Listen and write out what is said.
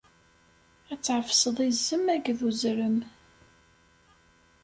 Ad tɛefseḍ izem akked uzrem.